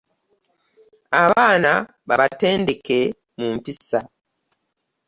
Abaana babatendeke mu mpisa.